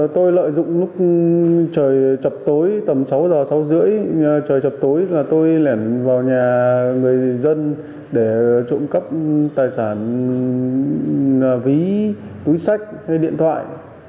trời chập tối tầm sáu giờ sáu rưỡi trời chập tối là tôi lẻn vào nhà người dân để trộm cắp tài sản ví túi sách hay điện thoại